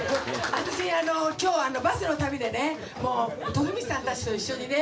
私あの今日バスの旅でねもう徳光さんたちと一緒にね